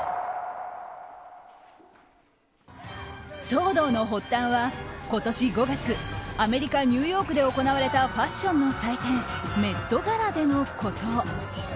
騒動の発端は今年５月アメリカ・ニューヨークで行われたファッションの祭典メットガラでのこと。